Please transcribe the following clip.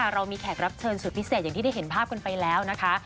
เรามีแขกรับเชิญสุดพิเศษอย่างที่ได้เห็นภาพกันไปแล้วนะคะ